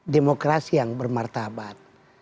demokrasi yang bermartabat